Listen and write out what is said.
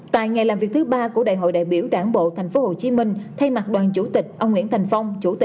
tại ngày làm việc thứ ba của đại hội đại biểu đảng bộ thành phố hồ chí minh thay mặt đoàn chủ tịch ông nguyễn thành phong